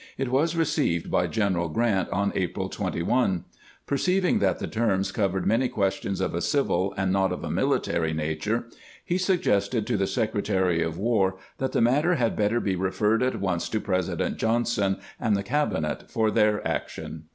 It was re ceived by General Grant on April 21. Perceiving that the terms covered many questions of a civil and not of a military nature, he suggested to the Secretary of War that the matter had better be referred at once to Presi dent Johnson and the cabinet for their action.